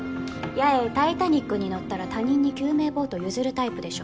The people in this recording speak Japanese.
八重タイタニックに乗ったら他人に救命ボート譲るタイプでしょ。